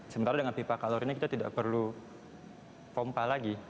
sementara dengan pipa kalor ini kita tidak perlu pompa lagi